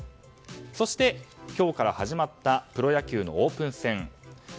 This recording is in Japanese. そして今日から始まったプロ野球のオープン戦。